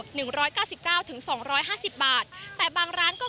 หนึ่งร้อยเก้าสิบเก้าถึงสองร้อยห้าสิบบาทแต่บางร้านก็